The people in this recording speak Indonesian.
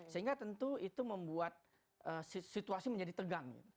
sehingga tentu itu membuat situasi menjadi tegang